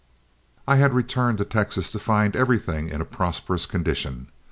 I returned to Texas to find everything in a prosperous condition.